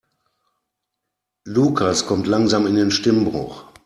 Lukas kommt langsam in den Stimmbruch.